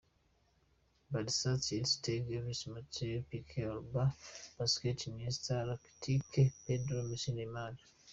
Barca: Ter Stegen; Alves, Mathieu, Piqué, Alba; Busquets, Iniesta, Rakitić; Pedro, Messi, Neymar.